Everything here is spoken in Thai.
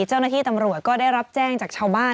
เจ้าหน้าที่ตำรวจก็ได้รับแจ้งจากชาวบ้าน